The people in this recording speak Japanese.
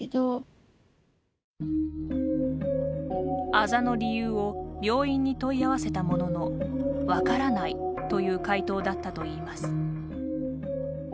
あざの理由を病院に問い合わせたものの分からないという回答だったといいます。